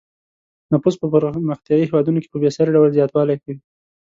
نفوس په پرمختیايي هېوادونو کې په بې ساري ډول زیاتوالی کوي.